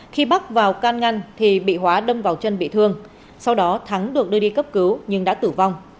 khi bắc vào can ngăn thì bị hóa đâm vào chân bị thương sau đó thắng được đưa đi cấp cứu nhưng đã tử vong